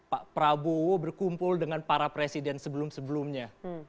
pak prabowo berkumpul dengan para presiden sebelum sebelumnya